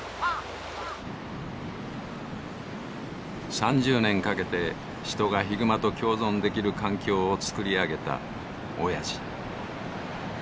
３０年かけて人がヒグマと共存できる環境を作り上げたおやじ。